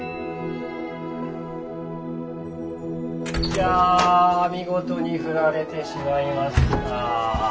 いや見事に振られてしまいました。